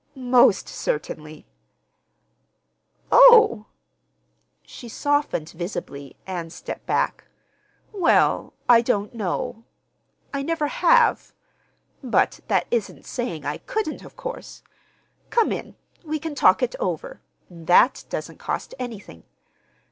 "Most certainly!" "Oh!" She softened visibly, and stepped back. "Well, I don't know. I never have—but that isn't saying I couldn't, of course. Come in. We can talk it over. that doesn't cost anything.